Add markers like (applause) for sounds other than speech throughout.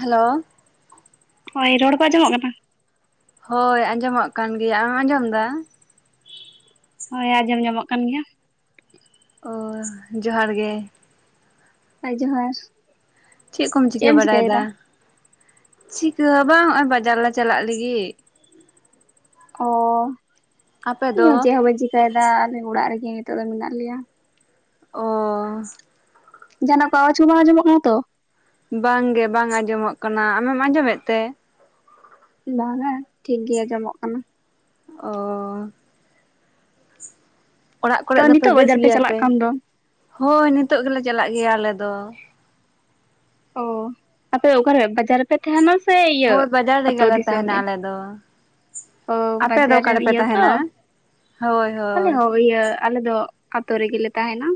Hello ᱦᱚᱭ ᱨᱚᱲ ᱠᱚ ᱟᱸᱡᱚᱢᱚᱜ ᱠᱟᱱᱟ ᱦᱳᱭ ᱟᱸᱡᱚᱢᱚᱜ ᱠᱟᱱ ᱜᱮᱭᱟ ᱟᱢᱮᱢ ᱟᱸᱡᱚᱢ ᱫᱟ ᱦᱳᱭ ᱟᱸᱡᱚᱢ ᱧᱟᱢᱚᱜ ᱠᱟᱱ ᱜᱮᱭᱟ᱾ ᱳ ᱡᱚᱦᱟᱨ ᱜᱮ᱾ ᱦᱳᱭ ᱡᱚᱦᱟᱨ᱾ ᱪᱮᱫ ᱠᱚᱢ ᱪᱤᱠᱟᱹ ᱮᱢ ᱵᱟᱲᱟᱭ ᱪᱤᱠᱟᱹᱭᱮᱫᱟ ᱫᱟ ᱪᱤᱠᱟ. ᱦᱚ ᱵᱟᱝ ᱚᱜᱼᱚᱭ ᱵᱟᱡᱟᱨ ᱞᱮ ᱪᱟᱞᱟᱜ ᱞᱟᱹᱜᱤᱫ ᱚ ᱟᱯᱮ ᱤᱧ ᱫᱚ ᱦᱚᱸ ᱪᱮᱫ ᱦᱚᱸ ᱵᱟᱹᱧ ᱪᱤᱠᱟᱭᱮᱫᱟ ᱟᱞᱮ ᱚᱲᱟᱜ ᱨᱮᱜᱮ ᱱᱤᱛᱚᱜ ᱫᱚ ᱢᱮᱱᱟᱜ ᱞᱮᱭᱟ᱾ ᱚ ᱡᱟᱦᱟᱱᱟᱜ ᱚᱝᱠᱟ ᱟᱣᱟᱡ ᱠᱚ ᱵᱟᱝ ᱟᱸᱡᱟᱢᱚᱜ ᱠᱟᱱᱟ ᱛᱚ ᱵᱟᱝ ᱜᱮ ᱵᱟᱝ ᱟᱸᱡᱚᱢᱚᱜ ᱠᱟᱱᱟ ᱟᱢᱮᱢ ᱟᱸᱡᱚᱢᱮᱫ ᱛᱮ ᱵᱟᱝ ᱟ ᱴᱷᱤᱠ ᱜᱮ ᱟᱸᱡᱚᱢᱚᱜ ᱠᱟᱱᱟ᱾ ᱚ ᱚᱲᱟᱜ ᱠᱚᱨᱮ ᱛᱚ ᱫᱚᱯᱮ ᱱᱤᱛᱚᱜ ᱵᱮᱥ ᱵᱟᱡᱟᱨ ᱜᱮᱭᱟ ᱪᱟᱞᱟᱜ ᱯᱮ ᱠᱟᱱ ᱫᱚ ᱦᱳᱭ ᱱᱤᱛᱚᱜ ᱜᱮᱞᱮ ᱪᱟᱞᱟᱜ ᱜᱮᱭᱟ ᱟᱞᱮ ᱫᱚ ᱚ ᱟᱯᱮ ᱚᱠᱟᱨᱮ ᱵᱟᱡᱟᱨ ᱯᱮ ᱛᱟᱦᱮᱱᱟ ᱥᱮ ᱤᱭᱟᱹ ᱦᱳᱭ ᱵᱟᱡᱟᱨ ᱟᱛᱳ ᱨᱮᱜᱮᱞᱮ ᱫᱤᱥᱚᱢ ᱛᱟᱦᱮᱱᱟ ᱨᱮ ᱟᱞᱮ ᱫᱚ ᱳ ᱟᱯᱮ ᱫᱚ ᱵᱟᱡᱟᱨ ᱚᱠᱟ ᱨᱮᱱ ᱨᱮᱯᱮ ᱤᱭᱟᱹ ᱛᱚ ᱛᱟᱦᱮᱱᱟ ᱦᱳᱭ ᱟᱞᱮ ᱦᱳᱭ ᱦᱚ ᱤᱭᱟᱹ ᱟᱞᱮ ᱫᱚ ᱟᱛᱳ ᱨᱮᱜᱮ ᱞᱮ ᱛᱟᱦᱮᱱᱟ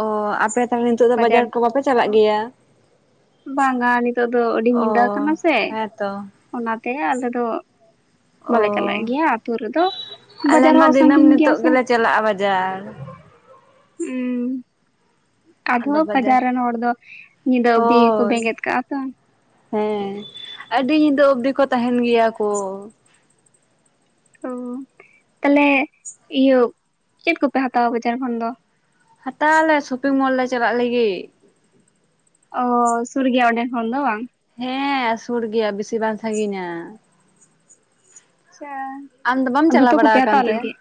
ᱚ ᱟᱯᱮ ᱛᱟᱦᱚᱞᱮ ᱱᱤᱛᱚᱜ ᱫᱚ ᱵᱟᱡᱟᱨ ᱠᱚ ᱵᱟᱯᱮ ᱪᱟᱞᱟᱜ ᱜᱮᱭᱟ? ᱵᱟᱝ ᱟ ᱱᱤᱛᱚᱜ ᱫᱚ ᱟᱹᱰᱤ ᱚ ᱧᱤᱫᱟᱹ ᱟᱠᱟᱱᱟ ᱥᱮ ᱦᱮᱸᱛᱚ ᱚᱱᱟᱛᱮ ᱟᱞᱮ ᱫᱚ ᱵᱟᱞᱮ ᱪᱟᱞᱟᱜ ᱜᱮᱭᱟ ᱟᱛᱩ ᱨᱮ ᱫᱚ ᱟᱞᱮᱢᱟ ᱫᱤᱱᱟᱹᱢ ᱱᱤᱛᱳᱜ ᱜᱮᱞᱮ ᱪᱟᱞᱟᱜᱼᱟ ᱵᱟᱡᱟᱨ ᱦᱩᱸ ᱟᱫᱚ ᱵᱟᱡᱟᱨ ᱨᱮᱱ ᱦᱚᱲ ᱫᱚ ᱧᱤᱫᱟᱹ ᱚᱵᱫᱤ ᱜᱮ ᱠᱚ ᱦᱳᱭ ᱵᱮᱸᱜᱮᱫ ᱠᱟᱜᱼᱟ ᱛᱚ ᱦᱮᱸ ᱟᱹᱰᱤ ᱧᱤᱫᱟᱹ ᱚᱵᱽᱫᱤ ᱠᱚ ᱛᱟᱦᱮᱱ ᱜᱮᱭᱟ ᱠᱚ ᱚ ᱛᱟᱦᱚᱞᱮ ᱤᱭᱟᱹ ᱪᱮᱫ ᱠᱚᱯᱮ ᱦᱟᱛᱟᱣᱟ ᱵᱟᱡᱟᱨ ᱠᱷᱚᱱ ᱫᱚ? ᱦᱟᱛᱟᱣᱟᱞᱮ ᱥᱚᱯᱤᱝ ᱢᱚᱞ ᱞᱮ ᱪᱟᱞᱟᱜ ᱞᱟᱹᱜᱤᱫ ᱚ ᱥᱩᱨ ᱜᱮᱭᱟ ᱚᱸᱰᱮ ᱠᱷᱚᱱ ᱫᱚ ᱵᱟᱝ? ᱦᱮᱸ ᱥᱩᱨ ᱜᱮᱭᱟ ᱵᱤᱥᱤ ᱵᱟᱝ ᱥᱟᱹᱜᱤᱧᱟ ᱟᱪᱪᱷᱟ ᱟᱢ ᱫᱚ ᱵᱟᱢ ᱪᱟᱞᱟᱣ ᱫᱚᱛᱚ ᱵᱟᱲᱟ ᱠᱚᱯᱮ ᱠᱟᱱ ᱦᱟᱛᱟᱣ ᱛᱮ ᱞᱟᱹᱜᱤᱫ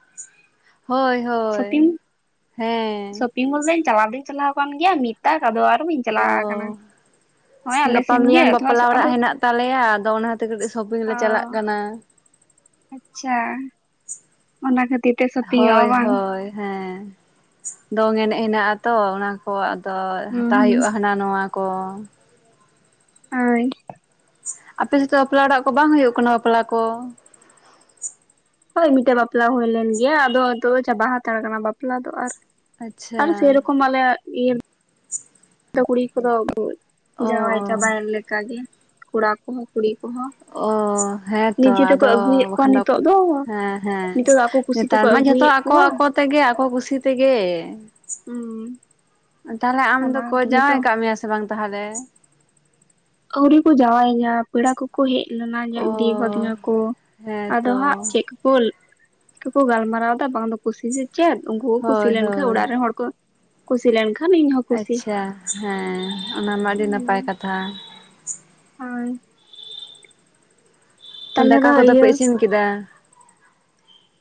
ᱦᱳᱭ ᱦᱳᱭ ᱦᱮᱸ᱾ ᱤᱧ ᱢᱟ ᱵᱟ. ᱧ ᱪᱟᱞᱟᱣ ᱫᱚᱧ ᱪᱟᱞᱟᱣ ᱠᱟᱱ ᱜᱮᱭᱟ ᱢᱤᱫ ᱫᱷᱟᱣ ᱟᱫᱚ ᱟᱨ ᱵᱟᱹᱧ ᱚ ᱪᱟᱞᱟᱣ ᱠᱟᱱᱟ ᱜᱟᱯᱟ ᱢᱮᱭᱟᱝ ᱵᱟᱯᱞᱟ ᱚᱲᱟᱜ ᱦᱮᱱᱟᱜ ᱛᱟᱞᱮᱭᱟ᱾ ᱟᱫᱚ ᱚᱱᱟᱛᱮ ᱠᱟᱹᱴᱤᱡ ᱥᱚᱯᱤᱝ ᱞᱮ ᱚ ᱪᱟᱞᱟᱜ ᱠᱟᱱᱟ ᱟᱪᱪᱷᱟ ᱚᱱᱟ ᱠᱷᱟᱹᱛᱤᱨ ᱛᱮ ᱥᱚᱯᱤᱝᱮᱜᱼᱟ ᱦᱳᱭ ᱵᱟᱝ? ᱦᱳᱭ ᱦᱮᱸ ᱫᱚᱝ ᱮᱱᱮᱡ ᱦᱮᱱᱟᱜᱼᱟ ᱛᱚ ᱚᱱᱟ ᱠᱚ ᱟᱫᱚ ᱦᱩᱸ ᱦᱟᱛᱟᱣ ᱦᱩᱸ ᱦᱩᱭᱩᱜᱼᱟ ᱦᱟᱱᱟ ᱱᱟᱣᱟ ᱠᱚ ᱦᱳᱭ᱾ ᱟᱯᱮᱥᱮᱫ ᱫᱚ ᱵᱟᱯᱞᱟ ᱚᱲᱟᱜ ᱠᱚ ᱵᱟᱝ ᱦᱩᱭᱩᱜ ᱠᱟᱱᱟ ᱵᱟᱯᱞᱟ ᱠᱚ। ᱦᱳᱭ ᱢᱤᱫᱴᱮᱡ ᱵᱟᱯᱞᱟ ᱦᱳᱭᱞᱮᱱ ᱜᱮ ᱟᱫᱚ ᱱᱤᱛᱚᱜ ᱪᱟᱵᱟ ᱦᱟᱛᱟᱲ ᱠᱟᱱᱟ ᱵᱟᱯᱞᱟ ᱫᱚ ᱟᱨ ᱼᱼ ᱟᱨ ᱟᱪᱪᱷᱟ ᱥᱮᱨᱚᱠᱚᱢ ᱟᱞᱮ ᱤᱭᱟᱹ ᱼᱼ ᱟᱫᱚ ᱠᱩᱲᱤ ᱠᱚ ᱫᱚ ᱚ ᱡᱟᱶᱟᱭ ᱪᱟᱵᱟᱭᱮᱱ ᱚ ᱞᱮᱠᱟᱜ ᱜᱮ ᱠᱚᱲᱟ ᱠᱚᱦᱚᱸ ᱠᱩᱲᱤ ᱠᱚᱦᱚᱸ। ᱚ ᱦᱮᱸᱛᱚ ᱱᱤᱡᱮ ᱛᱮᱠᱚ ᱟᱫᱚ ᱟᱹᱜᱩᱭᱮᱫ ᱠᱚᱣᱟ ᱵᱟᱠᱷᱟᱱ ᱫᱚ ᱱᱤᱛᱚᱜ ᱦᱮᱸ ᱦᱮᱸ। ᱱᱤᱛᱚᱜ ᱫᱚ ᱟᱠᱚ ᱠᱩᱥᱤ ᱱᱮᱛᱟᱨ ᱛᱮᱠᱚ ᱢᱟ ᱡᱷᱚᱛᱚ ᱟᱹᱜᱩᱭᱮᱫ ᱟᱠᱚ ᱠᱚᱣᱟ ᱟᱠᱚ ᱛᱮᱜᱮ ᱟᱠᱚ ᱠᱩᱥᱤ ᱛᱮᱜᱮ ᱼᱼ ᱦᱩᱸ ᱛᱟᱦᱚᱞᱮ ᱟᱢ ᱚᱱᱟ ᱫᱚᱠᱚ ᱛᱮᱜᱮ ᱛᱚ ᱡᱟᱶᱟᱭ ᱠᱟᱜ ᱢᱮᱭᱟ ᱥᱮ ᱵᱟᱝ ᱛᱟᱦᱚᱞᱮ? ᱟᱣᱨᱤ ᱠᱚ ᱡᱟᱣᱟᱭᱤᱧᱟ। ᱯᱮᱲᱟ ᱠᱚᱠᱚ ᱦᱮᱡ ᱞᱮᱱᱟ ᱧᱮᱞ ᱚ ᱤᱫᱤ ᱠᱟ. ᱫᱤᱧᱟᱹ ᱠᱚ᱾ ᱟᱫᱚ ᱦᱮᱸᱛᱚ ᱦᱟᱸᱜ ᱪᱮᱫ ᱠᱚ ᱠᱚ ᱼᱼ ᱪᱤᱠᱟᱹ ᱠᱚ ᱜᱟᱞᱢᱟᱨᱟᱣᱟᱫᱟ ᱵᱟᱝ ᱫᱚ ᱠᱩᱥᱤ ᱥᱮ ᱪᱮᱫ ᱩᱱᱠᱩ ᱠᱚ ᱠᱩᱥᱤ ᱦᱳᱭ ᱞᱮᱱᱠᱟᱱ ᱦᱳᱭ ᱚᱲᱟᱜ ᱨᱮᱱ ᱦᱚᱲ ᱠᱚ ᱼᱼ ᱠᱩᱥᱤ ᱞᱮᱱᱠᱷᱟᱱ ᱤᱧ ᱦᱚᱸ ᱟᱪᱪᱷᱟ ᱦᱮᱸ ᱚᱱᱟᱢᱟ ᱟᱹᱰᱤ ᱱᱟᱯᱟᱭ ᱠᱟᱛᱷᱟ᱾ ᱟᱨ (unintelligible) ᱛᱚ ᱛᱟᱦᱚᱞᱮ ᱫᱟᱠᱟ ᱫᱚ ᱠᱚᱫᱚ ᱯᱮ ᱤᱭᱟᱹ ᱤᱥᱤᱱ ᱠᱮᱫᱟ?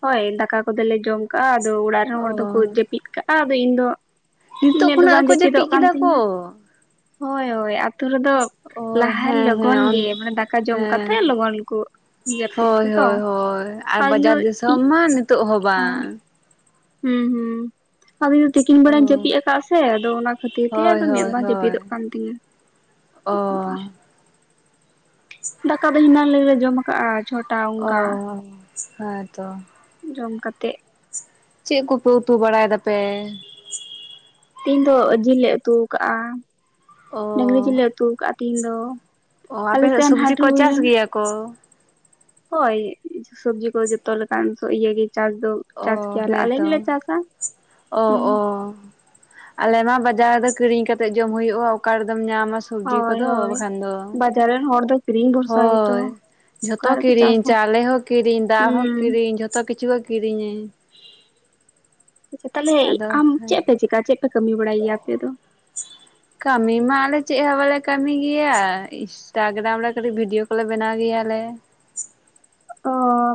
ᱦᱳᱭ ᱫᱟᱠᱟ ᱠᱚᱫᱚᱞᱮ ᱡᱚᱢ ᱠᱟᱜᱼᱟ ᱟᱫᱚ ᱚᱲᱟᱜ ᱨᱮᱱ ᱦᱚᱲ ᱫᱚᱠᱚ ᱚ ᱡᱟᱹᱯᱤᱫ ᱠᱟᱜᱼᱟ᱾ ᱟᱫᱚ ᱤᱧ ᱫᱚ ᱼᱼ ᱱᱤᱛᱚᱜ ᱢᱮᱫ ᱫᱚ ᱠᱷᱚᱱᱟᱜ ᱵᱟᱝ ᱠᱚ ᱡᱟᱹᱯᱤᱫᱚᱜ ᱡᱟᱹᱯᱤᱫ ᱠᱟᱱ ᱠᱮᱫᱟ ᱠᱚ ᱛᱤᱧᱟᱹ। ᱦᱳᱭ ᱦᱳᱭ ᱟᱛᱩ ᱨᱮᱫᱚ ᱚ ᱼᱼ ᱞᱟᱦᱟ ᱦᱮᱸ ᱦᱮᱸ ᱞᱚᱜᱚᱱ ᱜᱮ ᱚᱱᱛᱮ ᱢᱟᱱᱮ ᱫᱟᱠᱟ ᱡᱚᱢ ᱦᱮᱸ ᱠᱟᱛᱮᱜ ᱞᱚᱜᱚᱱ ᱠᱚ ᱼᱼ ᱡᱟᱹᱯᱤᱫᱟ ᱦᱳᱭ ᱛᱚ ᱦᱳᱭ ᱦᱳᱭ ᱟᱨ ᱵᱟᱡᱟᱨ ᱱᱩᱭ ᱤᱭᱟᱹ ᱫᱤᱥᱚᱢ ᱢᱟ ᱱᱤᱛᱚᱜ ᱦᱚᱸ ᱵᱟᱝ। ᱦᱩᱸ ᱦᱩᱸ ᱟᱫᱚᱧ (unintelligible) ᱫᱚ ᱛᱤᱠᱤᱱ ᱚ ᱵᱮᱲᱟᱧ ᱡᱟᱹᱯᱤᱫ ᱟᱠᱟᱫ ᱟ ᱥᱮ ᱟᱫᱚ ᱚᱱᱟ ᱠᱷᱟᱹᱛᱤᱨ ᱛᱮ ᱦᱳᱭ ᱢᱮᱫ ᱵᱟᱝ ᱡᱟᱹᱯᱤᱫᱚᱜ ᱠᱟᱱ ᱛᱤᱧᱟ। ᱚᱻ ᱫᱟᱠᱟ ᱫᱚ ᱦᱮᱱᱟᱝ ᱞᱮᱞᱮ ᱡᱚᱢ ᱟᱠᱟᱜᱼᱟ ᱪᱷᱚᱴᱟ ᱚᱻ ᱚᱱᱠᱟ ᱦᱮᱸ ᱛᱚ। ᱡᱚᱢ ᱠᱟᱛᱮᱜ ᱼᱼ ᱪᱮᱫ ᱠᱚᱯᱮ ᱩᱛᱩ ᱵᱟᱲᱟᱭ ᱫᱟᱯᱮᱻ? ᱛᱮᱦᱤᱧ ᱫᱚ ᱡᱤᱞ ᱞᱮ ᱩᱛᱩ ᱠᱟᱜᱼᱟ᱾ ᱚ ᱰᱟᱹᱟᱝᱨᱤ ᱡᱤᱞ ᱞᱮ ᱩᱛᱩ ᱟᱠᱟᱜᱼᱟ ᱛᱮᱤᱦᱧ ᱫᱚ। ᱚ ᱟᱯᱮ ᱟᱞᱮ ᱥᱮᱫ ᱥᱮᱱ ᱥᱚᱵᱡᱤ ᱦᱟᱴ ᱠᱚ ᱦᱩᱭ ᱪᱟᱥ ᱞᱮᱱᱟ ᱜᱮᱭᱟ ᱠᱚ? ᱦᱳᱭ ᱥᱚᱵᱽᱡᱤ ᱠᱚ ᱡᱚᱛᱚ ᱞᱮᱠᱟᱱ ᱤᱭᱟᱹ ᱜᱮ ᱪᱟᱥ ᱫᱚ। ᱚ ᱪᱟᱥ ᱠᱮᱭᱟᱞᱮ ᱟᱞᱮ ᱦᱮᱸᱛᱚ ᱜᱮᱞᱮ ᱪᱟᱥᱟ। ᱚ ᱦᱩᱸ ᱚ ᱟᱞᱮ ᱢᱟ ᱵᱟᱡᱟᱨ ᱨᱮ ᱠᱤᱨᱤᱧ ᱠᱟᱛᱮ ᱡᱚᱢ ᱦᱩᱭᱩᱜᱼᱟ ᱚᱠᱟ ᱨᱮᱫᱚᱢ ᱧᱟᱢᱟ। ᱥᱚᱵᱡᱤ ᱦᱳᱭ ᱠᱚᱫᱚ ᱦᱳᱭ ᱵᱟᱠᱷᱟᱱ ᱫᱚ᱾ ᱵᱟᱡᱟᱨ ᱨᱮᱱ ᱦᱚᱲ ᱫᱚ ᱠᱤᱨᱤᱧ ᱵᱷᱚᱨᱥᱟ ᱜᱮᱛᱚ ᱦᱳᱭ। ᱚᱠᱟ ᱡᱷᱚᱛᱚ ᱨᱮᱠᱚ ᱠᱤᱨᱤᱧ ᱪᱟᱥᱟ ᱪᱟᱣᱞᱮ ᱦᱚᱸ ᱠᱤᱨᱤᱧ ᱫᱟᱜ ᱦᱚᱸ ᱦᱩᱸ ᱠᱤᱨᱤᱧ ᱡᱷᱚᱛᱚ ᱠᱤᱪᱷᱩ ᱠᱤᱨᱤᱧᱟ। ᱟᱪᱪᱷᱟ ᱛᱟᱦᱟᱞᱮ ᱟᱫᱚ ᱟᱢ ᱪᱮᱫ ᱯᱮ ᱪᱮᱠᱟ ᱪᱮᱫ ᱯᱮ ᱠᱟᱹᱢᱤ ᱵᱟᱲᱟᱭ ᱜᱮᱭᱟ ᱟᱯᱮ ᱫᱚ? ᱠᱟᱹᱢᱤ ᱢᱟ ᱟᱞᱮ ᱪᱮᱫ ᱦᱚᱸ ᱵᱟᱞᱮ ᱠᱟᱹᱢᱤ ᱜᱮᱭᱟ ᱤᱱᱥᱴᱟᱜᱨᱟᱢ ᱨᱮ ᱠᱟᱹᱴᱤᱡ ᱵᱷᱤᱰᱤᱭᱳ ᱠᱚᱞᱮ ᱵᱮᱱᱟᱣ ᱜᱮᱭᱟᱞᱮ। ᱚ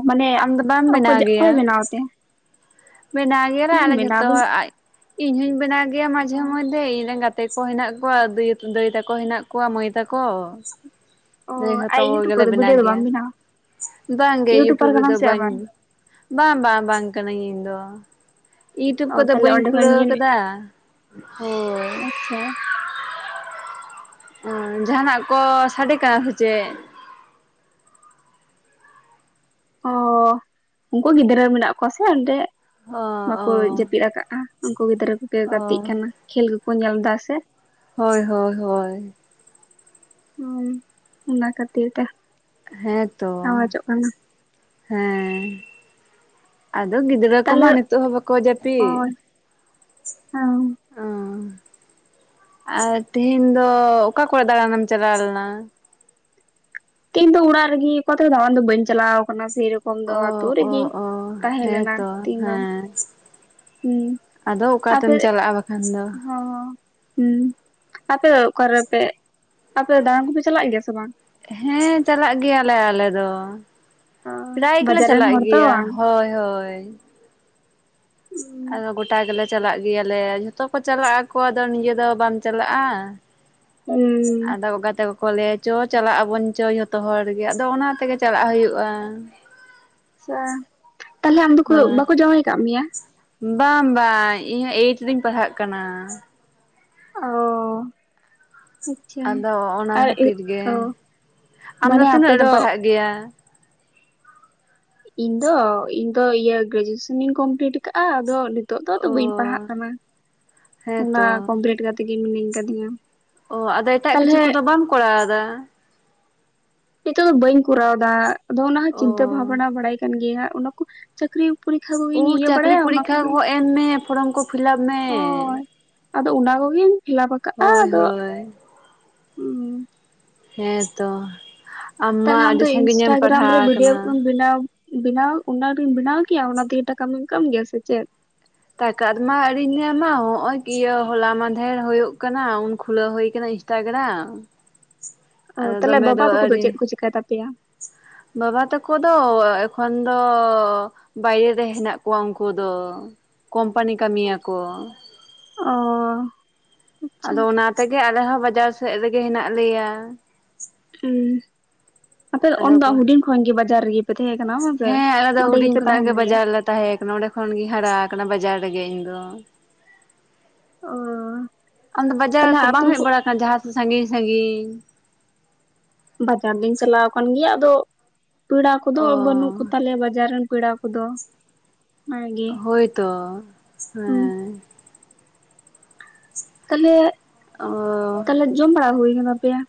ᱢᱟᱱᱮ ᱟᱢ ᱫᱚ ᱵᱟᱢ ᱚᱠᱚᱭ ᱵᱮᱱᱟᱣ ᱚᱠᱚᱭ ᱜᱮᱭᱟ? ᱵᱮᱱᱟᱣ ᱛᱮ ᱵᱮᱱᱟᱣ ᱜᱮᱭᱟᱞᱮ ᱤᱧ ᱟᱞᱮ ᱵᱮᱱᱟᱣ ᱡᱷᱚᱛᱚ ᱫᱟᱹᱧ ᱦᱚᱲ᱾ ᱟ ᱤᱧ ᱦᱚᱧ ᱵᱮᱱᱟᱣ ᱜᱮᱭᱟ ᱢᱟᱡᱷᱮ ᱢᱚᱫᱽᱫᱷᱮ ᱤᱧ ᱨᱮᱱ ᱜᱟᱛᱮ ᱠᱚ ᱦᱮᱱᱟᱜ ᱠᱚᱣᱟ ᱫᱟᱹᱭ ᱫᱟᱹᱭ ᱛᱟᱠᱚ ᱦᱮᱱᱟᱜ ᱼᱼ ᱠᱚᱣᱟ ᱠᱚᱣᱟ ᱢᱟᱹᱭ ᱛᱟᱠᱚ। ᱴᱷᱤᱠ (inaudible) ᱟᱞᱮ ᱡᱷᱚᱛᱚ ᱦᱚᱲ ᱜᱮᱞᱮ ᱵᱱᱟᱭᱟ᱾ ᱵᱟᱝᱜᱮ ᱤᱭᱩᱴᱩᱵᱽ ᱴᱩ ᱤᱭᱩᱴᱩᱵᱟᱨ (unintelligible) ᱠᱟᱱᱟᱢ ᱨᱮᱫᱚ ᱥᱮ ᱟᱵᱟᱨ ᱵᱟᱹᱧ ᱵᱟᱝ ᱵᱟᱝ ᱵᱟᱝ ᱠᱟᱹᱱᱟᱹᱧ ᱤᱧ ᱫᱚ। ᱤᱭᱩᱴᱩᱵᱽ ᱚ ᱠᱚᱫᱚ ᱛᱟᱦᱚᱞᱮ ᱵᱟᱹᱧ ᱚᱸᱰᱮ ᱠᱷᱚᱱ ᱠᱷᱩᱞᱟᱹᱣ ᱜᱮ ᱟᱠᱟᱫᱟ ᱦᱳᱭ। ᱟᱪᱪᱷᱟ ᱚ ᱡᱟᱦᱟᱱᱟᱜ ᱠᱚ ᱥᱟᱰᱮ ᱠᱟᱱᱟ ᱥᱮ ᱪᱮᱫ? ᱚᱻ ᱩᱱᱠᱩ ᱜᱤᱫᱽᱨᱟᱹ ᱢᱮᱱᱟᱜ ᱠᱚᱣᱟ ᱥᱮ ᱚᱸᱰᱮ ᱚ ᱚ ᱵᱟᱠᱚ ᱡᱟᱹᱯᱤᱫ ᱟᱠᱟᱫᱼᱟ। ᱩᱱᱠᱩ ᱜᱤᱫᱽᱨᱟᱹ ᱠᱚᱜᱮ ᱚ ᱜᱟᱛᱮᱜ ᱠᱟᱱᱟ। ᱠᱷᱮᱞ ᱠᱚᱠᱚ ᱧᱮᱞ ᱮᱫᱟ ᱥᱮ᱾ ᱦᱳᱭ ᱦᱳᱭ ᱦᱳᱭ ᱦᱩᱸᱻ ᱚᱱᱟ ᱠᱷᱟᱹᱛᱤᱨ ᱛᱮ। ᱦᱮᱸ ᱛᱚ ᱟᱣᱟᱡᱚᱜ ᱠᱟᱱᱟ ᱦᱮᱸ ᱟᱫᱚ ᱜᱤ ᱜᱤᱫᱽᱨᱟᱹ ᱠᱚ ᱢᱟ ᱛᱟᱦᱚᱞᱮ ᱱᱤᱛ ᱦᱚ ᱵᱟᱠᱚ ᱡᱟᱯᱤ ᱚ ᱦᱮᱸ ᱚ ᱟᱨ ᱛᱮᱦᱮᱧ ᱫᱚ ᱚᱠᱟ ᱠᱚᱨᱮ ᱫᱟᱬᱟᱱᱮᱢ ᱪᱟᱞᱟᱣ ᱞᱮᱱᱟ ᱛᱤᱦᱤᱧ ᱫᱚ ᱚᱲᱟᱜ ᱨᱮᱜᱮ ᱠᱚᱛᱷᱮ ᱫᱟᱲᱟᱱ ᱫᱚ ᱵᱟᱹᱧ ᱪᱟᱞᱟᱣ ᱟᱠᱟᱱᱟ ᱥᱮᱨᱯ ᱛ ᱠᱚᱢ ᱫᱚ ᱚ ᱟᱛᱳ ᱚ ᱨᱮᱜᱮ ᱚ ᱛᱟᱦᱮᱸ ᱞᱮᱱᱟ ᱦᱮᱸᱛᱚ ᱛᱤᱱ ᱫᱚ ᱦᱮᱸ ᱦᱩᱸ ᱟᱫᱚ ᱚᱠᱟᱛᱮᱢ ᱪᱟᱞᱟᱜᱼᱟ ᱵᱟᱠᱷᱟᱱ ᱫᱚ ᱚᱸ ᱟᱯᱮ ᱚᱠᱟᱨᱮᱯᱮ ᱟᱯᱮ ᱫᱟᱬᱟᱱ ᱠᱚᱯᱮ ᱪᱟᱞᱟᱜ ᱜᱮᱭᱟ ᱥᱮ ᱵᱟᱝ ᱦᱮᱸ ᱪᱟᱞᱟᱜ ᱜᱮᱭᱟᱞᱮ ᱟᱞᱮ ᱫᱚ ᱯᱨᱟᱭ ᱜᱮᱞᱮ ᱵᱟᱡᱟᱨ ᱨᱮᱱ ᱪᱟᱞᱟᱜ ᱦᱚᱲ ᱛᱚ ᱜᱮᱭᱟ ᱵᱟᱝ ᱦᱳᱭ ᱦᱳᱭ᱾ ᱟᱫᱚ ᱜᱚᱴᱟ ᱜᱮᱞᱮ ᱪᱟᱞᱟᱜ ᱜᱮᱭᱟᱞᱮ। ᱡᱷᱚᱛᱚ ᱠᱚ ᱪᱟᱞᱟᱜ ᱟᱠᱚ᱾ ᱟᱫᱚ ᱱᱤᱡᱮ ᱫᱚ ᱵᱟᱢ ᱪᱟᱞᱟᱜᱼᱟ? (unintelligible) ᱟᱫᱚ ᱜᱟᱛᱮ ᱠᱚᱠᱚ ᱞᱟᱹᱭᱟ ᱪᱚ ᱪᱟᱞᱟᱜ ᱟᱵᱚᱱ ᱪᱚ ᱡᱷᱚᱛᱚ ᱦᱚᱲ ᱜᱮ ᱟᱫᱚ ᱚᱱᱟ ᱛᱮᱜᱮ ᱪᱟᱞᱟᱜ ᱦᱩᱭᱩᱜᱼᱟ (unintelligible) ᱛᱟᱦᱚᱞᱮ ᱟᱢ ᱫᱚᱠᱚ ᱵᱟᱠᱚ ᱦᱮᱸ ᱡᱟᱶᱟᱭ ᱟᱠᱟᱫ ᱢᱮᱭᱟ ᱵᱟᱝ ᱵᱟᱝ ᱤᱧᱚᱸ ᱮᱭᱤᱴ ᱨᱮᱤᱧ ᱯᱟᱲᱦᱟᱜ ᱠᱟᱱᱟ ᱚᱻ ᱟᱪᱪᱷᱟ ᱟᱫᱚ ᱚᱱᱟ ᱟᱨ ᱠᱷᱟᱹᱛᱤᱨ (unintelligible) ᱜᱮ ᱚ ᱟᱢ ᱢᱟᱱᱮ ᱟᱯᱮ ᱛᱤᱱᱟᱹᱜ ᱨᱮᱢ ᱫᱚ ᱯᱟᱲᱦᱟᱜ ᱜᱮᱭᱟ ᱤᱧ ᱫᱚ ᱤᱧ ᱫᱚ ᱤᱭᱟᱹ ᱜᱨᱮᱡᱩᱭᱮᱥᱚᱱᱤᱧ ᱠᱚᱢᱯᱞᱤᱴ ᱟᱠᱟᱫᱟᱼᱟ ᱟᱫᱚ ᱱᱤᱛᱚᱜ ᱫᱚ ᱟᱫᱚ ᱚ ᱵᱟᱹᱧ ᱯᱟᱲᱦᱟᱜ ᱠᱟᱱᱟ ᱚᱱᱟ ᱦᱮᱸᱛᱚ ᱠᱚᱢᱯᱞᱤᱴ ᱠᱟᱛᱮ ᱜᱮ ᱢᱤᱱᱟᱹᱧ ᱟᱠᱟᱫᱤᱧᱟ ᱳᱻ ᱟᱫᱚ ᱮᱴᱟᱜ ᱠᱤᱪᱷᱩ ᱠᱚᱫᱚ ᱵᱟᱢ ᱠᱚᱨᱟᱣᱫᱟ ᱱᱤᱛᱚᱜ ᱫᱚ ᱵᱟᱹᱧ ᱠᱚᱨᱟᱣ ᱫᱟ ᱟᱫᱚ ᱚᱱᱟ ᱦᱚᱸ ᱚ ᱪᱤᱱᱛᱟᱹ ᱵᱷᱟᱵᱱᱟ ᱵᱟᱲᱟᱭ ᱠᱟᱱ ᱜᱮᱭᱟ (unintelligible) ᱪᱟᱹᱠᱨᱤ ᱯᱚᱨᱤᱠᱷᱟ ᱳ ᱠᱚᱜᱤᱧ ᱤᱭᱟᱹ ᱪᱟᱹᱠᱨᱤ ᱵᱟᱲᱟᱭᱟ ᱚᱱᱟ ᱯᱚᱨᱤᱠᱠᱷᱟ ᱠᱚᱜᱮ ᱠᱚ ᱮᱢ ᱢᱮ ᱯᱷᱚᱨᱚᱢ ᱠᱚ ᱯᱷᱤᱞᱟᱯ ᱢᱮ ᱦᱳᱭ ᱟᱫᱚ ᱚᱱᱟ ᱠᱚᱜᱤᱧ ᱯᱷᱤᱞᱟᱯ ᱟᱠᱟᱟᱜᱼᱟ ᱦᱳᱭ ᱟᱫᱚ ᱦᱳᱭ ᱦᱸ (unintelligible) ᱦᱮᱸᱛᱚ ᱛᱟᱦᱚᱞᱮ ᱟᱢᱫᱚ ᱤᱱᱥᱴᱟᱜᱨᱟᱢ ᱨᱮ ᱵᱷᱤᱰᱭᱳ ᱠᱚᱢ ᱵᱮᱱᱟᱣ ᱵᱮᱱᱟᱣ ᱚᱱᱟ ᱵᱮᱱᱟᱣ ᱠᱮᱭᱟ ᱚᱱᱟᱛᱮᱜᱮ ᱴᱟᱠᱟ ᱤᱱᱠᱟᱢ ᱜᱮᱭᱟ ᱥᱮ ᱪᱮᱫ ᱴᱟᱠᱟᱫ ᱢᱟ ᱟᱣᱨᱤᱧ ᱧᱟᱢᱟ ᱦᱚᱜ ᱚᱚᱭ ᱤᱭᱟᱹ ᱦᱚᱞᱟ ᱢᱟᱫᱷᱮᱨ ᱦᱩᱭᱩᱜ ᱠᱟᱱᱟ ᱩᱱ ᱠᱷᱩᱞᱟᱹᱣ ᱦᱩᱭ ᱟᱠᱟᱱᱟ ᱛᱜᱲᱟ ᱚ ᱛᱟᱦᱚᱞᱮ ᱵᱟᱵᱟ ᱛᱟᱠᱚ ᱫᱚ ᱪᱮᱫ ᱠᱚ ᱪᱤᱠᱟᱭ ᱛᱟᱯᱮᱭᱟ ᱵᱟᱵᱟ ᱛᱟᱠᱚ ᱫᱚ ᱮᱠᱷᱚᱱ ᱫᱚ ᱵᱟᱭᱨᱮ ᱨᱮ ᱦᱮᱱᱟᱜ ᱠᱚᱣᱟ ᱩᱱᱠᱩ ᱫᱚ ᱠᱚᱢᱯᱟᱱᱤ ᱠᱟᱹᱢᱤ ᱭᱟᱠᱚ ᱚᱻᱻ ᱟᱫᱚ ᱚᱱᱟ ᱛᱮᱜᱮ ᱟᱞᱮᱦᱚᱸ ᱵᱟᱡᱟᱨ ᱥᱮᱫ ᱨᱮᱜᱮ ᱦᱮᱱᱟᱜ ᱞᱮᱭᱟ ᱟᱩᱸ ᱟᱯᱮ ᱩᱱ ᱟᱫᱚ ᱫᱚ ᱠᱚ ᱦᱩᱰᱤᱧ ᱠᱷᱚᱱᱜ ᱜᱮ ᱵᱟᱡᱟᱨ ᱨᱮᱜᱮ ᱯᱮ ᱛᱟᱦᱮᱸ ᱠᱟᱱᱟ ᱦᱚᱸ ᱥᱮ ᱦᱮᱸ ᱟᱞᱮ ᱚᱸᱰᱮ ᱜᱮᱯᱮ ᱛᱟᱦᱮᱱ ᱜᱮᱭᱟ ᱛᱚᱠᱷᱚᱱᱜᱤᱧ ᱦᱟᱨᱟ ᱟᱠᱟᱱᱟ ᱵᱟᱡᱟᱨ ᱨᱮᱜᱮ ᱤᱧ ᱫᱚ ᱚ ᱟᱢᱫᱚ ᱵᱟᱡᱟᱨ ᱛᱟᱦᱚᱞᱮ ᱠᱚ ᱵᱟᱢ ᱟᱛᱳ ᱦᱮᱡ ᱵᱟᱲᱟ ᱠᱟᱱᱟ ᱡᱟᱦᱟᱸ ᱛᱮ ᱥᱟᱺᱜᱤᱧ ᱥᱟᱺᱜᱤᱧ ᱵᱟᱡᱟᱨ ᱫᱚᱧ ᱪᱟᱞᱟᱣ ᱟᱠᱟᱱ ᱜᱮᱭᱟ ᱟᱫᱚ ᱯᱮᱲᱟ ᱠᱚᱫᱚ ᱵᱟᱹᱱᱩᱜ ᱚ ᱠᱚᱛᱟᱞᱮᱭᱟ ᱵᱟᱡᱟᱨ ᱨᱮᱱ ᱯᱮᱲᱟ ᱠᱚᱫᱚ ᱚᱱᱟᱜᱮ ᱦᱳᱭᱛᱚ ᱦᱩᱸ ᱦᱮᱸ ᱛᱟᱞᱮ ᱚᱻ ᱛᱟᱦᱚᱞᱮ ᱡᱚᱢ ᱵᱟᱲᱟ ᱦᱩᱭ ᱟᱯᱮᱭᱟ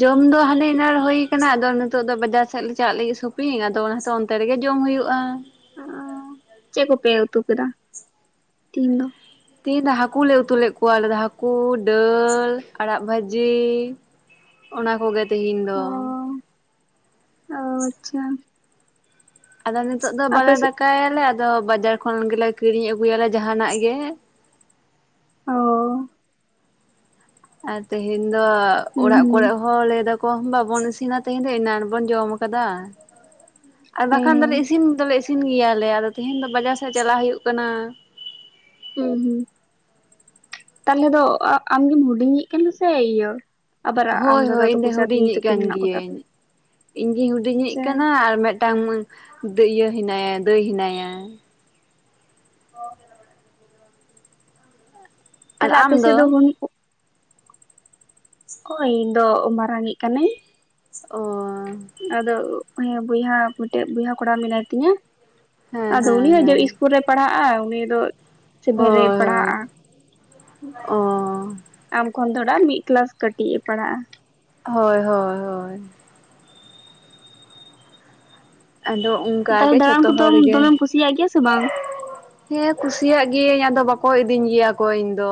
ᱡᱚᱢ ᱫᱚ ᱦᱟᱱᱮ ᱮᱱᱟᱱᱹ ᱨᱮ ᱦᱩᱭ ᱟᱠᱟᱱᱟ ᱟᱫᱚ ᱱᱤᱛᱚᱜ ᱫᱚ ᱵᱟᱡᱟᱨ ᱥᱮᱫ ᱞᱮ ᱪᱟᱞᱟᱜ ᱞᱟᱹᱜᱤᱫ ᱥᱚᱯᱤᱝ ᱟᱫᱚ ᱚᱱᱟ ᱛᱚ ᱚᱱᱛᱮ ᱨᱮᱜᱮ ᱡᱚᱢ ᱦᱩᱭᱩᱜᱼᱟ (unintelligible) ᱪᱮᱫ ᱠᱚᱯᱮ ᱩᱛᱩ ᱠᱮᱫᱟ ᱛᱤᱦᱤᱧ ᱫᱚ ᱛᱮᱦᱤᱧ ᱫᱚ ᱦᱟᱹᱠᱩ ᱞᱮ ᱩᱛᱩ ᱞᱮᱫ ᱠᱚᱣᱟ ᱟᱞᱮ ᱫᱚ ᱦᱟᱹᱠᱩ ᱫᱟᱹᱞ ᱟᱲᱟᱜ ᱵᱷᱟᱹᱡᱤ ᱚᱱᱟ ᱠᱚᱜᱮ ᱛᱮᱦᱮᱧ ᱫᱚ ᱚ ᱚ ᱟᱪᱷᱟ ᱟᱫᱚ ᱱᱤᱛᱚᱜ ᱫᱚ ᱵᱟᱞᱮ ᱥᱮᱫ ᱫᱟᱠᱟᱭᱟᱞᱮ ᱟᱫᱚ ᱵᱟᱡᱟᱨ ᱠᱷᱚᱱ ᱜᱮᱞᱮ ᱠᱤᱨᱤᱧ ᱟᱹᱜᱩᱭᱟᱞᱮ ᱡᱟᱦᱟᱱᱟᱜ ᱜᱮ ᱚᱻ ᱟᱨ ᱛᱮᱦᱮᱧ ᱫᱚ ᱦᱩᱸ ᱚᱲᱟᱜ ᱦᱩᱸ ᱠᱚᱨᱮ ᱦᱚ ᱞᱟᱹᱭ ᱫᱟᱠᱚ ᱵᱟᱵᱚᱱ ᱤᱥᱤᱱᱟ ᱛᱮᱦᱮᱧ ᱫᱚ ᱮᱱᱟᱱ ᱵᱚᱱ ᱡᱚᱢ ᱟᱠᱟᱫᱟ ᱟᱨ ᱦᱮᱸ ᱵᱟᱠᱷᱟᱱ ᱦᱮᱸ ᱫᱚᱮ ᱤᱥᱤᱱ ᱫᱚᱞᱮ ᱤᱥᱤᱱ ᱜᱮᱭᱟᱞᱮ ᱟᱫᱚ ᱛᱮᱦᱮᱧ ᱫᱚ ᱵᱟᱡᱟᱨ ᱥᱮᱫ ᱪᱟᱞᱟᱜ ᱦᱩᱭᱩᱜ ᱠᱟᱱᱟ ᱦᱩᱸ ᱦᱩᱸ ᱛᱟᱦᱚᱞᱮ ᱫᱚ ᱟᱢᱜᱮᱢ ᱦᱩᱰᱤᱧᱤᱡ ᱠᱟᱱᱟ ᱥᱮ ᱤᱭᱟᱹ ᱟᱵᱟᱨ ᱟᱢ ᱦᱳᱭ ᱫᱟᱫᱟ ᱦᱳᱭ ᱤᱧ ᱛᱟᱠᱚ ᱫᱚ ᱥᱮ ᱫᱤᱫᱤ ᱦᱩᱰᱤᱧᱤᱡ ᱛᱟᱠᱚ ᱠᱟᱱ ᱢᱮᱱᱟᱜ ᱠᱚᱛᱟ ᱯᱮ ᱜᱤᱭᱟᱹᱧ᱾ ᱤᱧ ᱜᱤᱧ ᱦᱩᱰᱤᱧᱤᱡ ᱠᱟᱱᱟ ᱟᱨ ᱢᱤᱫᱴᱟᱝ ᱤᱭᱟᱹ ᱦᱮᱱᱟᱭᱟ ᱫᱟᱹᱭ ᱦᱮᱱᱟᱭᱟ (unintelligible) ᱟᱨ ᱛᱟᱞᱮ ᱟᱢ ᱟᱯᱮᱥᱮ ᱫᱚ ᱦᱚᱱ ᱦᱳᱭ ᱤᱧ ᱫᱚ ᱢᱟᱨᱟᱝᱤᱡ ᱠᱟᱹᱱᱟᱹᱧ ᱳᱻᱻ ᱟᱫᱚ ᱦᱮᱸ ᱵᱚᱭᱦᱟ ᱢᱤᱫᱴᱮᱡ ᱵᱚᱭᱦᱟ ᱠᱚᱲᱟ ᱢᱮᱱᱟᱭ ᱛᱤᱧᱟ ᱦᱮᱸ ᱟᱫᱚ ᱩᱱᱤ ᱦᱮᱸ ᱦᱚᱸ ᱡᱮ ᱦᱮᱸ ᱤᱥᱠᱩᱞ ᱨᱮᱭ ᱯᱟᱲᱦᱟᱜᱼᱟ ᱩᱱᱤ ᱫᱚ ᱥᱮᱵᱷᱮᱱ ᱨᱮᱭ ᱦᱳᱭ ᱦᱳᱭ ᱯᱟᱲᱦᱟᱜᱼᱟ ᱚ ᱟᱢ ᱠᱷᱚᱱ ᱛᱷᱚᱲᱟ ᱢᱤᱫ ᱠᱞᱟᱥ ᱠᱟᱹᱴᱤᱡ ᱮ ᱯᱟᱲᱦᱟᱜᱼᱟ ᱦᱳᱭ ᱦᱳᱭ ᱦᱳᱭ ᱟᱫᱚ ᱚᱱᱠᱟ ᱛᱟᱦᱚᱞᱮ ᱜᱮ ᱫᱟᱬᱟᱱ ᱡᱷᱚᱛᱚ ᱠᱚᱫᱚ ᱦᱚᱲ ᱜᱮ ᱫᱚᱢᱮᱢ ᱠᱩᱥᱤᱭᱟᱜ ᱜᱮᱭᱟ ᱥᱮ ᱵᱟᱝ ᱦᱮᱸ ᱠᱩᱥᱤᱭᱟᱜ ᱜᱤᱭᱟᱹᱧ ᱟᱫᱚ ᱵᱟᱠᱚ ᱤᱫᱤᱧ ᱜᱮᱭᱟ ᱠᱚ ᱤᱧ ᱫᱚ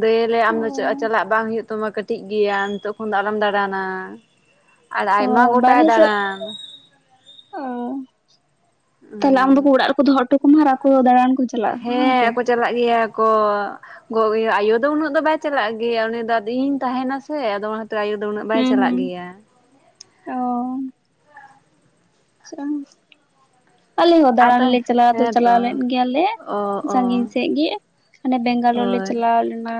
ᱫᱟᱹᱭ ᱮ ᱞᱟᱹᱭᱟ ᱟᱢ ᱫᱚ ᱪᱟᱞᱟᱜ ᱵᱟᱝ ᱦᱩᱭᱩᱜ ᱛᱟᱢᱟ ᱠᱟᱹᱴᱤᱡ ᱜᱮᱭᱟᱢ ᱱᱤᱛᱚᱜ ᱠᱷᱚᱱ ᱫᱚ ᱟᱞᱚᱢ ᱫᱟᱬᱟᱱᱟ ᱟᱨ ᱟᱭᱢᱟ ᱜᱚᱴᱟᱭ ᱫᱟᱬᱟᱱ ᱩᱸᱻ ᱛᱟᱦᱞᱮ ᱟᱢ ᱫᱚ ᱚᱲᱟᱜ ᱨᱮᱠᱚ ᱫᱚᱦᱚ ᱦᱚᱴᱚ ᱠᱟᱢᱟ ᱟᱨ ᱟᱠᱚ ᱫᱟᱬᱟᱱ ᱠᱚ ᱪᱟᱼᱼ ᱪᱟᱞᱟᱜᱼᱟ ᱠᱚ ᱦᱮᱸ ᱥᱮ ᱪᱟᱞᱟᱜ ᱜᱮᱭᱟᱻ ᱠᱚ (unintelligible) ᱟᱭᱳ ᱫᱚ ᱩᱱᱟᱹᱜ ᱫᱚ ᱵᱟᱭ ᱪᱟᱞᱟᱜ ᱜᱮᱭᱟ ᱩᱱᱤ ᱫᱟ ᱟᱫᱚ ᱤᱧ ᱛᱟᱦᱮᱱᱟ ᱥᱮ ᱟᱫᱚ ᱚᱱᱟ ᱛᱚ ᱟᱭᱳ ᱫᱚ ᱩᱱᱟᱹᱜ ᱵᱟᱭ ᱦᱩᱸ ᱪᱟᱞᱟᱜ ᱦᱩᱸ ᱜᱮᱭᱟ ᱟᱪᱷᱟ ᱟᱞᱮ ᱦᱚᱸ ᱫᱟᱬᱟᱱ ᱟᱫᱚ ᱞᱮ ᱪᱟᱞᱟᱣ ᱫᱚ ᱪᱟᱞᱟᱣ ᱦᱮᱸᱛᱚ ᱞᱮᱱ ᱜᱮᱭᱟᱞᱮ ᱚ ᱚ ᱥᱟᱺᱜᱤᱧ ᱥᱮᱫ ᱜᱮ ᱚᱱᱮ ᱵᱮᱝᱜᱟᱞᱳᱨ ᱞᱮ ᱦᱳᱭ ᱪᱟᱞᱟᱣ ᱞᱮᱱᱟ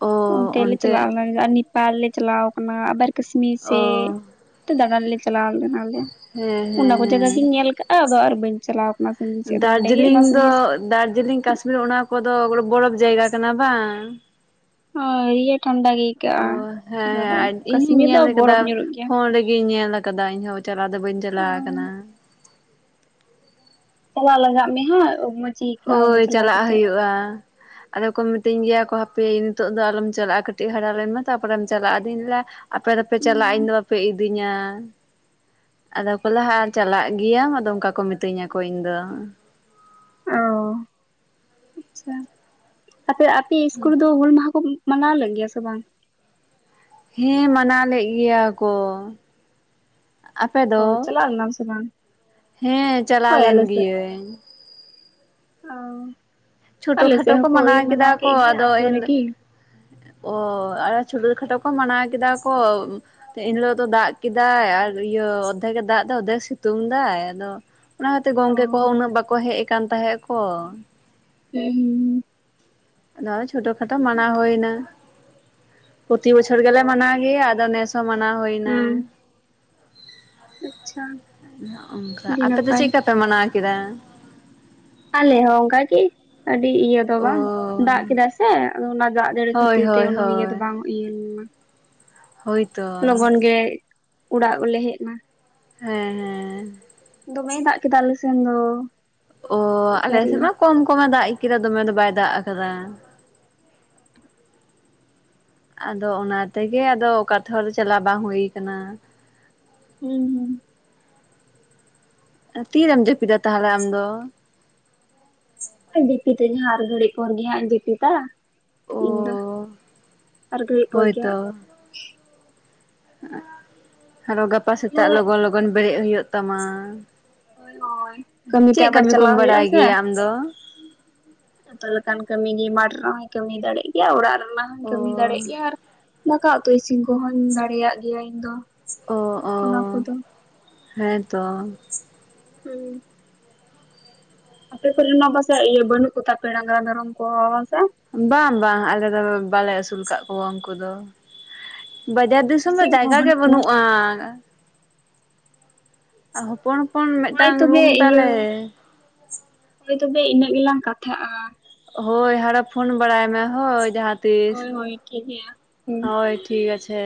ᱚ ᱚᱱᱛᱮ ᱞᱮ ᱪᱟᱞᱟᱣ ᱠᱟᱱᱟ ᱱᱮᱯᱟᱞ ᱞᱮ ᱪᱟᱞᱟᱣ ᱟᱠᱟᱱᱟ ᱟᱵᱟᱨ ᱠᱟᱹᱥᱢᱤᱨ ᱚ ᱥᱮᱫᱼᱼ ᱛᱚ ᱫᱟᱬᱟᱱ ᱞᱮ ᱪᱟᱞᱟᱣ ᱞᱮᱱᱟ ᱞᱮ ᱦᱮᱸ ᱦᱮᱸ ᱚᱱᱟ ᱠᱚ ᱡᱟᱭᱜᱟ ᱜᱤᱧ ᱦᱮᱸ ᱧᱮᱞ ᱠᱟᱜᱼᱟ ᱟᱫᱚ ᱟᱨ ᱵᱟᱹᱧ ᱪᱟᱞᱟᱣ ᱟᱠᱼᱼ ᱚᱱᱟ ᱥᱟᱹᱜᱤᱧ ᱥᱮᱡ (unintelligible) ᱜᱮ ᱫᱟᱨᱡᱤᱞᱤᱝ ᱚᱱᱟ ᱫᱚ ᱥᱟᱹᱜᱤᱧ ᱫᱟᱨᱡᱤᱞᱤᱝ ᱠᱟᱥᱢᱤᱨ ᱚᱱᱟ ᱠᱚᱫᱚ ᱵᱚᱨᱚᱯ ᱡᱟᱭᱜᱟ ᱠᱟᱱᱟ ᱵᱟᱝ (unintelligible) ᱴᱷᱟᱱᱰᱟ ᱜᱮ ᱟᱹᱭᱠᱟᱹᱜᱼᱟ ᱚ ᱡᱟᱭᱜᱟ ᱫᱚ ᱦᱮᱸ ᱤᱧ ᱦᱩᱧ ᱠᱟᱥᱢᱤᱨ ᱫᱚ ᱧᱮᱞ ᱟᱠᱟᱫᱟ ᱵᱚᱨᱚᱯ ᱧᱩᱨᱩᱜ ᱜᱮᱭᱟ ᱯᱷᱳᱱ ᱨᱮᱜᱮᱧ ᱧᱮᱞ ᱟᱠᱟᱫᱟ ᱟᱠᱟᱫᱟ ᱤᱧ ᱦᱚᱸ ᱪᱟᱞᱟᱣ ᱫᱚ ᱵᱟᱹᱧ ᱪᱟᱞᱟᱣ ᱟᱠᱟᱱᱟ ᱪᱟᱞᱟᱜ ᱞᱟᱜᱟᱜ ᱢᱮ ᱦᱮᱸ ᱢᱼᱼ ᱦᱳᱭ ᱪᱟᱞᱟᱜ ᱦᱩᱭᱩᱜᱼᱟ ᱟᱫᱚ ᱠᱚ ᱢᱤᱛᱟᱹᱧ ᱜᱮᱭᱟ ᱠᱚ ᱦᱟᱯᱮ ᱱᱤᱛᱚᱜ ᱫᱚ ᱟᱞᱚᱢ ᱪᱟᱞᱟᱜᱼᱟ ᱠᱟᱹᱴᱤᱡ ᱦᱟᱨᱟ ᱞᱮᱱᱢᱟ ᱛᱟᱯᱚᱨᱮᱢ ᱪᱟᱞᱟᱜᱼᱟ ᱟᱫᱚᱧ (unintelligible) ᱟᱯᱮ ᱫᱚᱯᱮ ᱪᱟᱞᱟᱜᱼᱟ ᱤᱧ ᱫᱚ ᱵᱟᱯᱮ ᱤᱫᱤᱧᱟ ᱟᱫᱚ ᱠᱚ ᱞᱟᱦᱟᱜᱼᱟ ᱪᱟᱞᱟᱜ ᱜᱮᱭᱟᱢ ᱟᱫᱚ ᱚᱱᱠᱟ ᱠᱚ ᱢᱤᱛᱟᱹᱧᱟ ᱠᱚ ᱤᱧ ᱫᱚ ᱚ ᱟᱪᱷᱟ ᱟᱯᱮ ᱟᱯᱮᱭᱟᱜ ᱤᱥᱠᱩᱞ ᱨᱮᱫᱚ ᱦᱩᱞ ᱢᱟᱦᱟᱸ ᱠᱚ ᱢᱟᱱᱟᱣ ᱞᱮᱜᱼᱜᱮᱭᱟ ᱥᱮ ᱵᱟᱝ ᱦᱮᱸ ᱢᱟᱱᱟᱣ ᱞᱮᱜ ᱜᱮᱭᱟ ᱠᱚ ᱟᱯᱮ ᱚᱻ ᱫᱚ ᱪᱟᱞᱟᱜ ᱞᱮᱱᱟ ᱥᱮ ᱵᱟᱝ ᱦᱮᱸ ᱪᱟᱞᱟᱣ ᱦᱳᱭ ᱞᱮᱱ ᱟᱞᱮ ᱜᱤᱭᱟᱹᱧ ᱚᱸᱻ ᱪᱷᱩᱴᱩ ᱠᱷᱟᱴᱚ ᱠᱚ ᱢᱟᱱᱟᱣ ᱠᱮᱫᱟ ᱠᱚ ᱜᱮᱭᱟ ᱟᱫᱚ ᱟᱛᱳ ᱮᱱᱼᱼ ᱨᱮᱜᱮ ᱚᱻ ᱟᱨ ᱪᱷᱩᱴᱩ ᱠᱷᱟᱴᱚ ᱠᱚ ᱢᱟᱱᱟᱣ ᱠᱮᱫᱟ ᱠᱚ ᱮᱱ ᱦᱤᱞᱚᱜ ᱫᱚ ᱫᱟᱜ ᱠᱮᱫᱟᱭ ᱟᱨ ᱤᱭᱟᱹ ᱚᱫᱷᱮᱠ ᱮ ᱫᱟᱜ ᱮᱫᱟ ᱚᱫᱷᱮ ᱥᱤᱛᱩᱝ ᱮᱫᱟᱭ ᱟᱫᱚ ᱚᱱᱟ ᱠᱷᱟᱹᱛᱤᱨ ᱚ ᱜᱚᱝᱠᱮ ᱠᱚᱦᱚᱸ ᱩᱱᱟᱹᱜ ᱵᱟᱠᱚ ᱦᱮᱡ ᱟᱠᱟᱱ ᱛᱟᱦᱮᱸᱜ ᱠᱚ ᱦᱩᱸᱻᱻ ᱱᱚᱜᱼᱚᱭ ᱪᱷᱚᱴᱚ ᱠᱷᱟᱴᱚ ᱢᱟᱱᱟᱣ ᱦᱩᱭ ᱮᱱᱟ ᱯᱨᱚᱛᱤ ᱵᱚᱪᱷᱚᱨ ᱜᱮᱞᱮ ᱚ ᱢᱟᱱᱟᱣ ᱜᱮᱭᱟ ᱟᱫᱚ ᱱᱮᱥ ᱢᱟᱱᱟᱣ ᱦᱩᱭᱱᱟ ᱦᱩᱸ ᱟᱪᱪᱷᱟ (unintelligible) ᱚᱝᱠᱟ ᱟᱹᱰᱤ ᱟᱯᱮ ᱫᱚ ᱱᱟᱯᱟᱭ ᱪᱮᱫ ᱞᱮᱠᱟ ᱯᱮ ᱢᱟᱱᱟᱣ ᱠᱮᱫᱟ? ᱟᱞᱮ ᱦᱚᱸ ᱚᱱᱠᱟ ᱜᱤ ᱟᱹᱰᱤ ᱤᱭᱟᱹ ᱛᱚ ᱚ ᱵᱟᱝ ᱫᱟᱜ ᱠᱮᱫᱟᱭ ᱥᱮ ᱟᱫᱚ ᱚᱱᱟ ᱫᱟᱜ ᱡᱟᱹᱲᱤ ᱦᱳᱭ ᱠᱷᱟᱹᱛᱤᱨ ᱛᱮ ᱦᱳᱭ ᱩᱱᱟᱹᱜ ᱤᱭᱟᱹ ᱫᱚ ᱦᱳᱭ ᱵᱟᱝ ᱤᱭᱟᱹ ᱞᱮᱱᱟ᱾ ᱦᱳᱭ ᱞᱚᱜᱚᱱ ᱜᱮ ᱩᱲᱟᱜ ᱦᱚᱸᱞᱮ ᱦᱮᱡ ᱮᱱᱟ᱾ ᱦᱮᱸ ᱦᱮᱸ ᱫᱚᱢᱮᱭ ᱫᱟᱜ ᱠᱮᱫᱟ ᱟᱞᱮ ᱥᱮᱱ ᱫᱚ᱾ ᱚ ᱟᱞᱮ ᱮᱠᱵᱟᱨᱮ ᱥᱮᱫ ᱢᱟ ᱠᱚᱢ ᱠᱚᱢᱮ ᱫᱟᱜ ᱠᱤᱫᱟ ᱫᱚᱢᱮ ᱫᱚ ᱵᱟᱭ ᱫᱟᱜ ᱟᱠᱟᱫᱟ ᱾ ᱟᱫᱚ ᱚᱱᱟᱛᱮᱜᱮ ᱟᱫᱚ ᱚᱠᱟ ᱛᱮ ᱦᱚᱸ ᱪᱟᱞᱟᱣ ᱵᱟᱝ ᱦᱩᱭ ᱟᱠᱟᱱᱟ᱾ ᱦᱩᱸ ᱦᱩᱸ ᱛᱤᱨᱮᱢ ᱡᱟᱹᱯᱤᱫᱟ ᱛᱟᱦᱚᱞᱮ ᱟᱢ ᱫᱚ? ᱡᱯᱤᱛᱟᱧ ᱦᱟᱸᱜ ᱦᱟᱨ ᱜᱟᱹᱲᱤᱪ ᱯᱳᱚᱨ ᱜᱮ ᱦᱟᱸᱜ ᱡᱯᱤᱛᱟ ᱾ ᱚ ᱟᱨ ᱜᱷᱟᱹᱲᱤᱡ ᱯᱚᱨ ᱦᱳᱭ ᱜᱮ ᱛᱚ ᱦᱟᱸᱜ ᱟᱫᱚ ᱜᱟᱯᱟ ᱛᱟᱦᱞᱮ ᱥᱮᱛᱟᱜ ᱞᱚᱜᱚᱱ ᱞᱚᱜᱟᱱ ᱞᱚᱜᱚᱱ ᱵᱮᱨᱮᱫ ᱦᱩᱭᱩᱜ ᱛᱟᱢᱟ᱾ ᱦᱳᱭ ᱦᱳᱭ ᱛᱮ ᱪᱮᱫ ᱟᱵᱟᱨ ᱠᱟᱹᱢᱤ ᱠᱚᱢ ᱪᱟᱞᱟᱣ ᱦᱩᱭᱩᱜᱼᱟ ᱵᱟᱲᱟᱭ ᱥᱮ ᱜᱮᱭᱟ ᱟᱢ ᱫᱚ? ᱡᱚᱛᱚ ᱞᱮᱠᱟᱱ ᱠᱟᱹᱢᱤ ᱜᱮ ᱢᱟᱴᱷ ᱨᱮ ᱦᱚᱭ ᱠᱟᱹᱢᱤ ᱫᱟᱲᱮᱮᱜ ᱜᱮᱭᱟ ᱚᱲᱟᱜ ᱨᱮᱱᱟᱜ ᱦᱚᱧ ᱚ ᱠᱟᱹᱢᱤ ᱫᱟᱲᱮᱜ ᱜᱮᱭᱟ ᱟᱨ ᱫᱟᱠᱟ ᱩᱛᱩ ᱤᱥᱤᱱ ᱠᱚᱦᱚᱧ ᱫᱟᱲᱮᱭᱟᱜ ᱜᱮᱭᱟ ᱤᱧ ᱫᱚ᱾ ᱚ ᱚ ᱚᱱᱟ ᱠᱚᱫᱚ ᱦᱮᱸᱛᱚ ᱦᱩᱸ ᱟᱯᱮ ᱠᱚᱨᱮᱱ ᱢᱟ ᱯᱟᱥᱮ ᱤᱭᱟᱹ ᱵᱟᱹᱱᱩᱜ ᱠᱚᱛᱟᱯᱮ ᱰᱟᱝᱨᱟ ᱢᱮᱨᱚᱢ ᱠᱚ ᱵᱟᱝᱥᱮ? ᱵᱟᱝ ᱵᱟᱝ ᱟᱞᱮ ᱫᱚ ᱵᱟᱞᱮ ᱟᱹᱥᱩᱞ ᱠᱟᱜ ᱠᱚᱣᱟ ᱩᱱᱠᱩ ᱫᱚ᱾ ᱵᱟᱡᱟᱨ ᱫᱤᱥᱚᱢ ᱫᱚ ᱥᱤᱢ ᱠᱚᱦᱚᱸ ᱡᱟᱭᱜᱟ ᱜᱮ ᱵᱟᱹᱱᱩᱜ ᱠᱚᱣᱟ ᱵᱟᱱᱩᱜᱼᱟ ᱟᱨ ᱦᱚᱯᱚᱱ ᱯᱚᱱ ᱦᱳᱭ ᱢᱤᱫᱴᱟᱝ ᱛᱚᱵᱮ ᱨᱩᱢ ᱤᱭᱟᱹ ᱛᱟᱞᱮ ᱦᱳᱭ ᱛᱚᱵᱮ ᱤᱱᱟᱹᱜ ᱜᱮᱞᱟᱝ ᱠᱟᱛᱷᱟᱜᱼᱟ᱾ ᱦᱳᱭ ᱦᱟᱨᱚ ᱯᱷᱳᱱ ᱵᱟᱲᱟᱭ ᱢᱮ ᱦᱳᱭ ᱡᱟᱦᱟᱸᱛᱤᱥ ᱦᱳᱭ ᱦᱳᱭ ᱴᱷᱤᱠ ᱜᱮᱭᱟ ᱦᱩᱸ᱾ ᱦᱳᱭ ᱴᱷᱤᱠ ᱟᱪᱷᱮ᱾